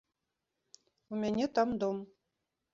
У мяне там дом.